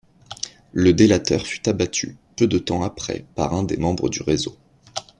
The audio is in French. Le délateur fut abattu peu de temps après par un des membres du réseau.